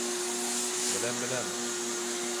Беләм, беләм.